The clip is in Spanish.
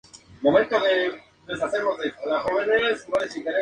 Las personas suelen usar su conocimiento y experiencias previas para encontrar el camino.